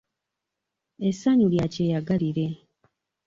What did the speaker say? Essanyu lya kyeyagalire.